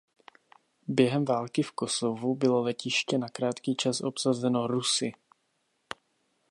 Během Války v Kosovu bylo letiště na krátký čas obsazeno Rusy.